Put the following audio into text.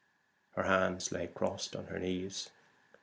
Her hands lay crossed on her knees.